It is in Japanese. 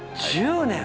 １０年！